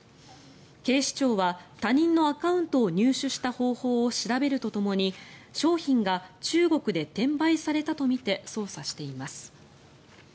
警視庁は他人のアカウントを入手した方法を調べるとともに商品が中国で転売されたとみて捜査しています。